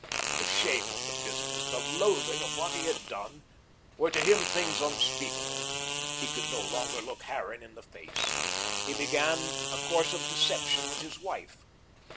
The shame of the business, the loathing of what he had done, were to him things unspeakable. He could no longer look Harran in the face. He began a course of deception with his wife.